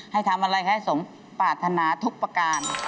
ให้ทำอะไรให้สมปรารถนาทุกประการ